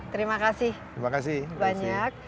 terima kasih banyak